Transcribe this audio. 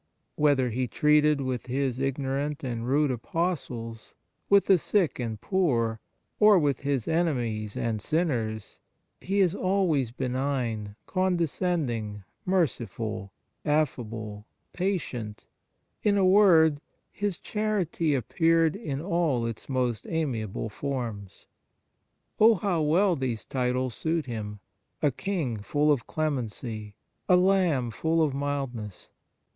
Whether He treated with His ignorant and rude Apostles, with the sick and poor, or with His enemies and sinners, He is always benign, condescending, merciful, affable, patient ; in a word, His charity appeared in all its most amiable forms. Oh, how well these titles suit Him ! a King full of clemency, a Lamb full of mildness.